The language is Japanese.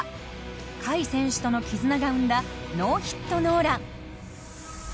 甲斐選手との絆が生んだノーヒットノーラン。